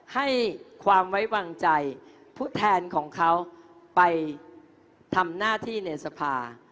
ให้ความไว้วางใจผู้แทนของเขาไปทำหน้าที่ในสภา